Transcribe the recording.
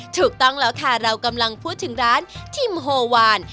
ถูกต้องแล้วค่ะเรากำลังพูดถึงร้านชิมโฮวาน